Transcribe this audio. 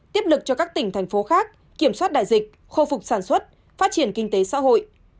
tiếp lực cho các tỉnh thành phố khác kiểm soát đại dịch khôi phục sản xuất phát triển kinh tế xã hội